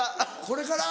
これから？